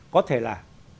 có thể là